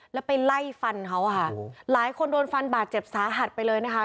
แล้วไปไล่ฟันเขาอ่ะค่ะหลายคนโดนฟันบาดเจ็บสาหัสไปเลยนะคะ